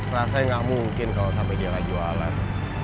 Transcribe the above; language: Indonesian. rasanya nggak mungkin kalau sampai dia gak jualan